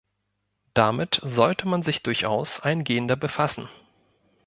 Damit sollte man sich durchaus eingehender befassen.